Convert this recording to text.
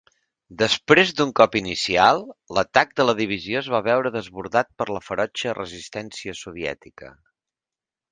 Després d'un cop inicial, l'atac de la divisió es va veure desbordat per la ferotge resistència soviètica.